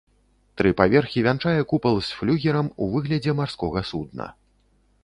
Тры паверхі вянчае купал з флюгерам у выглядзе марскога судна.